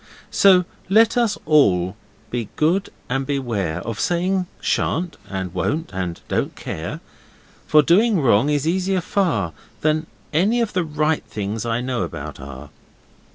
'So let all be good and beware Of saying shan't and won't and don't care; For doing wrong is easier far Than any of the right things I know about are.